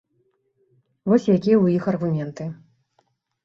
Вось якія ў іх аргументы.